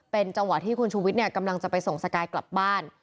เป็นจังหวะที่คุณชูวิทย์กำลังจะไปส่งสกายกลับบ้าน